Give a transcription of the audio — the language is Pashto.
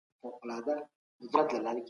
مذهب د فردي اخلاقو په جوړښت کي مرسته کوي.